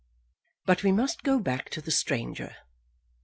But we must go back to the stranger.